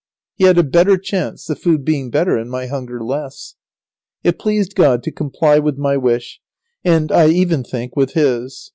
He had a better chance, the food being better and my hunger less. It pleased God to comply with my wish, and I even think with his.